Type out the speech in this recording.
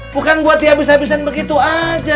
bukan buat dihabis habisin begitu aja